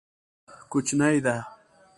کوچنی ده.